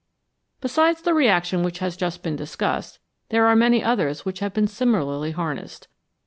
Besides the reaction which has just been discussed, there are many others which have been similarly harnessed.